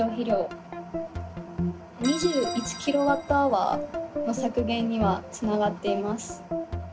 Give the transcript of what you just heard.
２１ｋＷｈの削減にはつながっています。